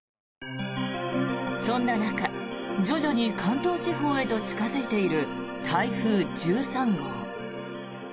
そんな中、徐々に関東地方へと近付いている台風１３号。